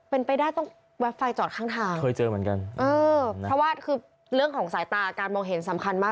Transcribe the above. เป็นไปได้ต้องแว๊บไฟจอดข้างทางเคยเจอเหมือนกันเออเพราะว่าคือเรื่องของสายตาการมองเห็นสำคัญมาก